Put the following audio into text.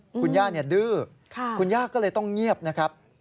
คุณย่าดื้อคุณย่าก็เลยต้องเงียบนะครับ